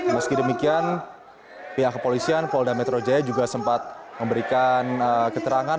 meski demikian pihak kepolisian polda metro jaya juga sempat memberikan keterangan